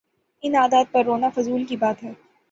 ان عادات پہ رونا فضول کی بات ہے۔